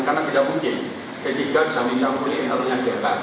karena tidak mungkin ketiga kami campuri internalnya ketiga partai